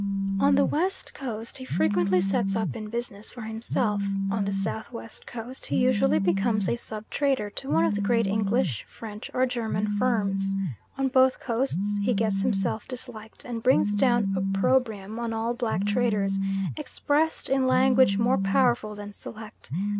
On the West Coast he frequently sets up in business for himself; on the South West Coast he usually becomes a sub trader to one of the great English, French, or German firms. On both Coasts he gets himself disliked, and brings down opprobrium on all black traders, expressed in language more powerful than select.